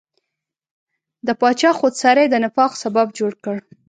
د پاچا خودسرۍ د نفاق سبب جوړ کړ.